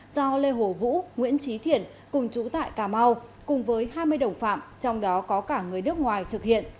do lê hổ vũ nguyễn trí thiện cùng chú tại cà mau cùng với hai mươi đồng phạm trong đó có cả người nước ngoài thực hiện